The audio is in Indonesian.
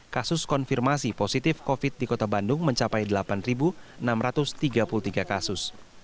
kasus konfirmasi positif covid di kota bandung mencapai delapan enam ratus tiga puluh tiga kasus